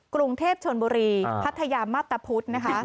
กรุงเทพฯชนบุรีพัทยามาตรพุทธ